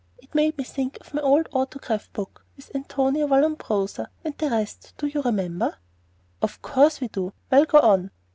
It made me think of my old autograph book with Antonio de Vallombrosa, and the rest. Do you remember?" "Of course we do. Well, go on."